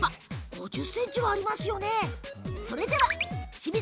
５０ｃｍはありますかね。